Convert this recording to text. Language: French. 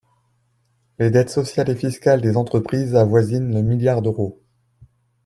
Les dettes sociales et fiscales des entreprises avoisinent le milliard d’euros.